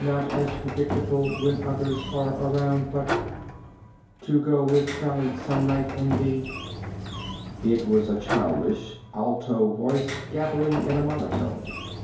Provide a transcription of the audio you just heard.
not as predictable when others are around but ... to go with Sally some night in the...." It was a childish, alto voice, gabbling in a monotone.